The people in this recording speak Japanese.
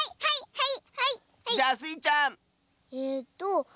はい。